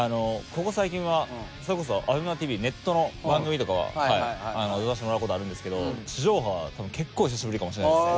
ここ最近はそれこそＡｂｅｍａＴＶネットの番組とかは出させてもらう事あるんですけど地上波は結構久しぶりかもしれないですね。